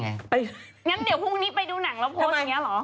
งั้นเดี๋ยวพรุ่งนี้ไปดูหนังแล้วโพสต์อย่างนี้เหรอ